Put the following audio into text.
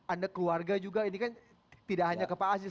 anda keluarga juga ini kan tidak hanya ke pak aziz